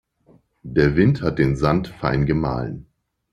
Der Wind hat den Sand fein gemahlen.